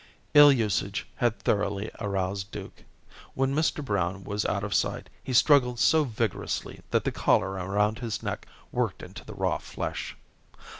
Ill usage had thoroughly aroused Duke. When Mr. Brown was out of sight, he struggled so vigorously that the collar around his neck worked into the raw flesh.